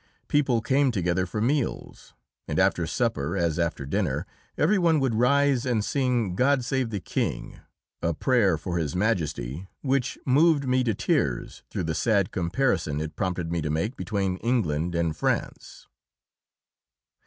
People came together for meals, and after supper, as after dinner, every one would rise and sing "God Save the King," a prayer for His Majesty, which moved me to tears through the sad comparison it prompted me to make between England and France.